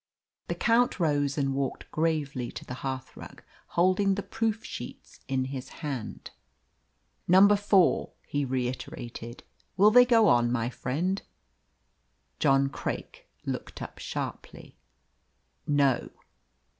The Count rose and walked gravely to the hearthrug, holding the proof sheets in his hand. "Number four," he reiterated. "Will they go on, my friend?" John Craik looked up sharply. "No."